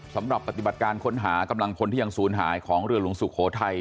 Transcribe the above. สำหรับปฏิบัติการค้นหากำลังพลที่ยังศูนย์หายของเรือหลวงสุโขทัย